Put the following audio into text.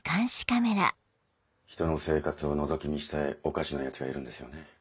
ひとの生活をのぞき見したいおかしなヤツがいるんですよね。